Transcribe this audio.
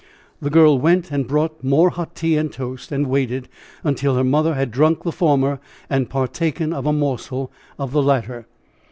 The girl went and brought more hot tea and toast, and waited until her mother had drunk the former and partaken of a morsel of the latter.